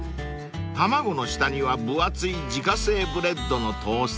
［卵の下には分厚い自家製ブレッドのトースト］